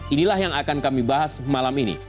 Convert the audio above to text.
inilah yang akan kami bahas malam ini